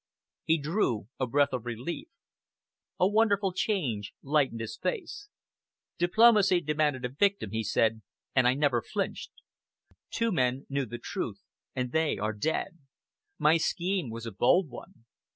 He drew a breath of relief. A wonderful change lightened his face. "Diplomacy demanded a victim," he said, "and I never flinched. Two men knew the truth, and they are dead. My scheme was a bold one.